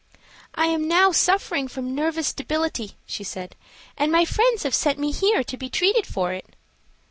"I am now suffering from nervous debility," she said, "and my friends have sent me here to be treated for it."